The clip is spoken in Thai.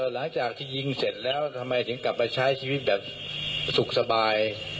หลังจากที่ยิงเสร็จแล้วทำไมถึงกลับมาใช้ชีวิตแบบสุขสบาย